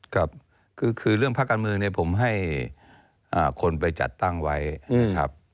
ครับคือเรื่องภาคการเมืองเนี่ยผมให้คนไปจัดตั้งไว้นะครับ